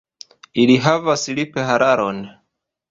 Ili havas liphararon.